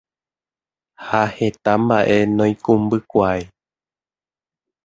ha heta mba'e noikũmbykuaái.